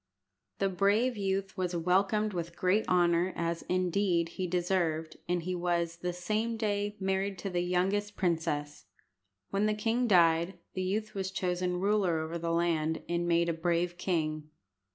The brave youth was welcomed with great honour, as, indeed, he deserved, and he was, the same day, married to the youngest princess. When the king died, the youth was chosen ruler over the land, and made a brave king.